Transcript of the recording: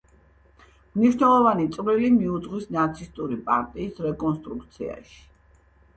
მნიშვნელოვანი წვლილი მიუძღვის ნაცისტური პარტიის „რეკონსტრუქციაში“.